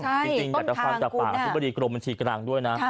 จริงอยากจะฟังจากปากอธิบดีกรมบัญชีกลางด้วยนะ